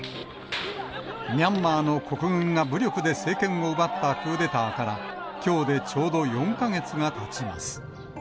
ミャンマーの国軍が武力で政権を奪ったクーデターから、きょうでちょうど４か月がたちます。